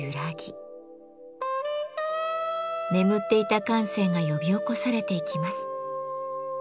眠っていた感性が呼び起こされていきます。